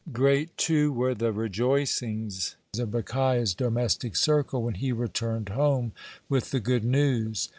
Great too were the rejoicings in Bhikhia's domestic circle when he returned home with the good news.